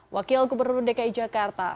wakil gubernur dki jakarta